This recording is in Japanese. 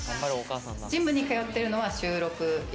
ジムに通ってるのは週６。